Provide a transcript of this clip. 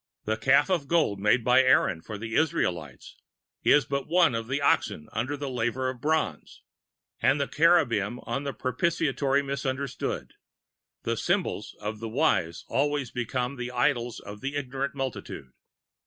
The calf of gold, made by Aaron for the Israelites, was but one of the oxen under the laver of bronze, and the Karobim on the Propitiatory, misunderstood. The symbols of the wise always become the idols of the ignorant multitude.